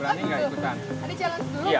nanti yang kalah akan ada hukumannya